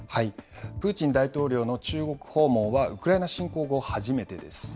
プーチン大統領の中国訪問はウクライナ侵攻後初めてです。